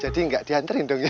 jadi gak dihantarin dong ya